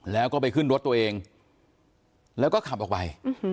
แล้วก็ไปขึ้นรถตัวเองแล้วก็ขับออกไป